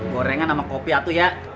gorengan sama kopi atau ya